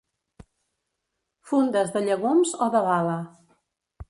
Fundes de llegums o de bala.